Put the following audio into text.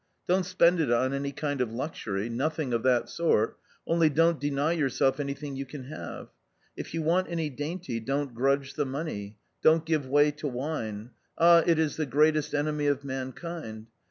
Don't spend it on any kind of luxury, nothing of that sort, only don't deny yourself anything you can have ; if you want any dainty, don't grudge the money. Don't give way to wine; ah, it is the greatest enemy of mankind!